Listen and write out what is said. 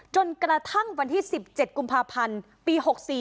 จนกระทั่งวันที่๑๗กุมภาพันธ์ปี๖๔